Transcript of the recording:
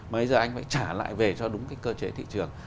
bây giờ anh phải trả lại về cho đúng cái cơ chế thị trường